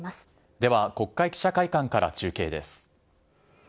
では、国会記者会館から中継です。